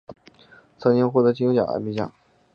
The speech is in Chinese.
曾经获得金球奖和艾美奖。